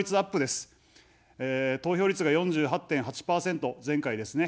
投票率が４８．８％、前回ですね。